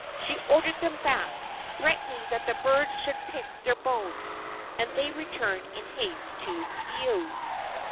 She ordered them back, threatening that the birds should pick their bones, and they returned in haste to Keaau.